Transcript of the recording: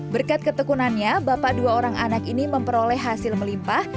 berkat ketekunannya bapak dua orang anak ini memperoleh hasil melimpah